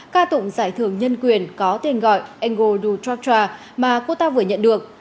ca tụng giải thưởng nhân quyền có tên gọi engo dutracha mà cô ta vừa nhận được